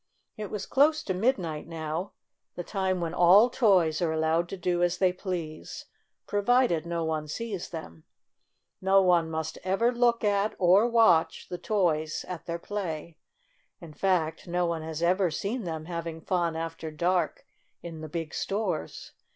It was close to midnight now — the time 10 STORY OF A SAWDUST DOLL 1 when all toys are allowed to do as they please, provided no one sees them. No one must ever look at, or watch, the toys at their play. In fact, no one has ever seen them having fun after dark in the big stores.